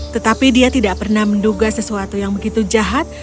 tetapi dia tidak pernah menduga sesuatu yang begitu jahat